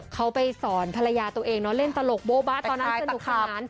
เขาไปสอนภรรยาตัวเองเนาะเล่นตลกโบ๊บะตอนนั้นสนุกสนาน